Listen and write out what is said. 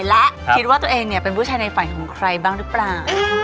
และคิดว่าตัวเองเนี่ยเป็นผู้ชายในฝันของใครบ้างหรือเปล่า